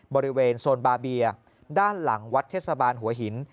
บริเวณโซนบาเบียด้านหลังวัดเทศบาลหัวหิน